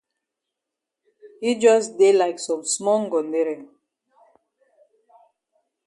Yi jus dey like some small ngondere.